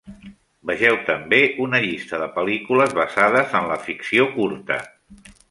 Vegeu també una llista de pel·lícules basades en la ficció curta.